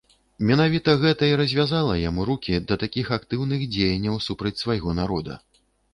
Менавіта гэта і развязала яму рукі да такіх актыўных дзеянняў супраць свайго народа.